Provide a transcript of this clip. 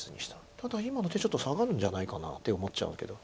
ただ今の手ちょっと下がるんじゃないかなって思っちゃうけど。